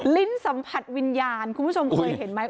ลิ้นสัมผัสวิญญาณคุณผู้ชมเคยเห็นไหม